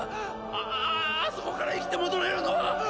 あそこから生きて戻れるのは」